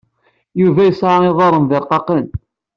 Yuba yesɛa iḍarren d irqaqen.